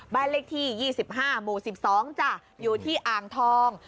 บ้านเลขที่๒๕หมู่๑๒จ้ะอยู่ที่อ่างทอง